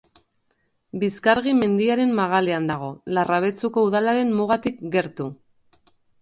Bizkargi mendiaren magalean dago, Larrabetzuko udalaren mugatik gertu.